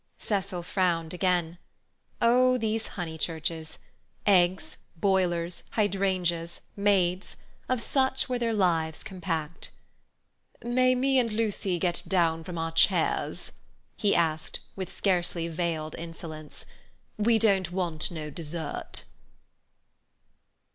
Cecil frowned again. Oh, these Honeychurches! Eggs, boilers, hydrangeas, maids—of such were their lives compact. "May me and Lucy get down from our chairs?" he asked, with scarcely veiled insolence. "We don't want no dessert."